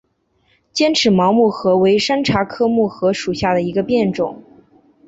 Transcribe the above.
尖齿毛木荷为山茶科木荷属下的一个变种。